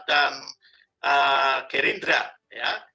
dan gerindra ya